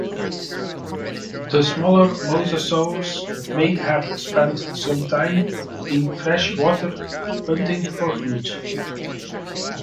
The smaller mosasaurs may have spent some time in fresh water, hunting for food.